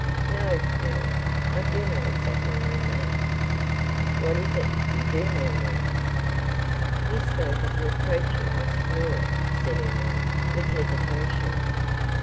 "No, madam, I do not exactly mean that." "What is it you do mean then?" "You spoke of reproaching the Signor,"—said Emily, with hesitation.